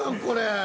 これ。